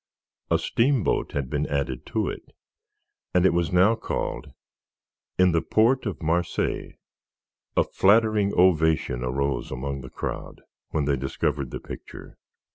A steamboat had been added to it, and it was now called "In the Port of Marseilles." A flattering ovation arose among the crowd when they discovered the picture.